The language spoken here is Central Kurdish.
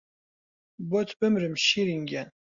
بۆت بمرم شیرین گیان